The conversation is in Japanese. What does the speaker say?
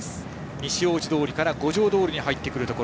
西大路通から五条通に入ってくるところ。